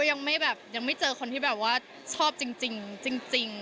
ยังไม่เจอคนที่แบบว่าชอบจริง